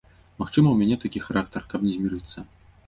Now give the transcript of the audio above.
Магчыма, у мяне такі характар, каб не змірыцца.